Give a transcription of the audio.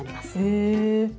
へえ。